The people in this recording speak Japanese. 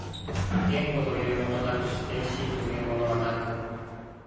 言語というものなくして思惟というものなく、